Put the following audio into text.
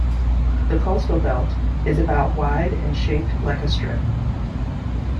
The coastal belt is about wide and shaped like a strip.